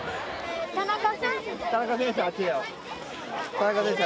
田中選手。